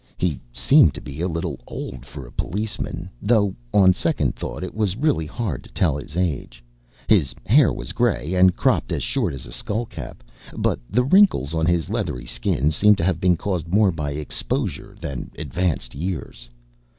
He seemed to be a little old for a policeman, though on second thought it was really hard to tell his age. His hair was gray and cropped as short as a skull cap, but the wrinkles on his leathery skin seemed to have been caused more by exposure than advanced years.